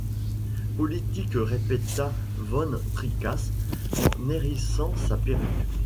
Politique ! répéta van Tricasse en hérissant sa perruque.